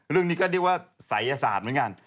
เรื่องนี้ก็เรียกว่าศัยศาสตร์เหมือนกัน